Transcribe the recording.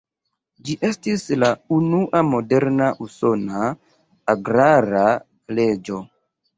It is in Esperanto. Ĝi estis la unua moderna usona agrara leĝo.